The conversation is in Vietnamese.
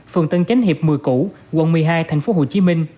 phường tân chánh hiệp một mươi củ quận một mươi hai tp hcm